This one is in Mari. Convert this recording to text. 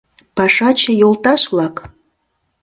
— Пашаче йолташ-влак!